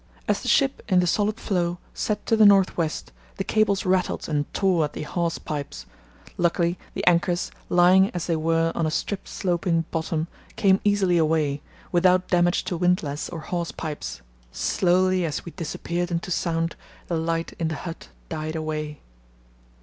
As the ship, in the solid floe, set to the north west, the cables rattled and tore at the hawse pipes; luckily the anchors, lying as they were on a strip sloping bottom, came away easily, without damage to windlass or hawse pipes. Slowly as we disappeared into Sound, the light in the hut died away.